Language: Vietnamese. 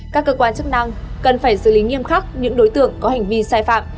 các cơ quan chức năng cần phải xử lý nghiêm khắc những đối tượng có hành vi sai phạm